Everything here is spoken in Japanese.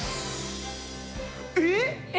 えっ！？